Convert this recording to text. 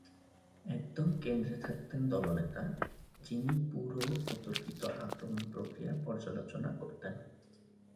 একদম কেন্দ্রে থাকতেন দলনেতা যিনি পুরো অতর্কিত আক্রমণ প্রক্রিয়া পর্যালোচনা করতেন।